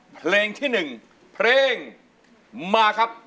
เพลงที่หนึ่งเพลงมาครับ